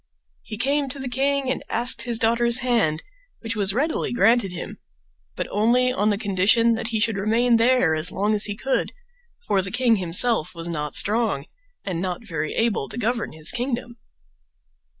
He came to the king and asked his daughters hand, which was readily granted him, but only on the condition that he should remain there as long as he could, for the king himself was not strong and not very able to govern his kingdom.